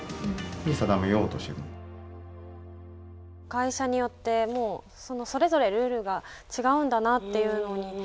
会社によってそれぞれルールが違うんだなっていうのに。